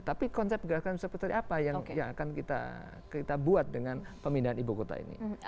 tapi konsep gerakan seperti apa yang akan kita buat dengan pemindahan ibu kota ini